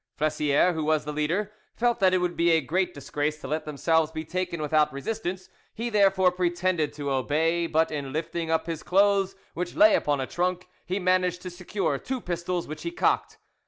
Flessiere, who was the leader, felt that it would be a great disgrace to let themselves be taken without resistance; he therefore pretended to obey, but in lifting up his clothes, which lay upon a trunk, he managed to secure two pistols, which he cocked.